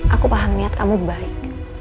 aku paham niat kamu baik